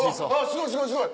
すごいすごいすごい！